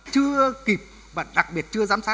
chưa kịp và đặc biệt chưa giám sát